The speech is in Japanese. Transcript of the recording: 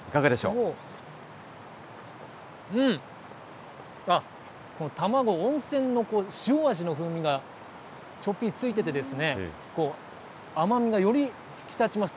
うん、あっ、卵、温泉の塩味の風味がちょっぴりついててですね、甘みがより引き立ちます。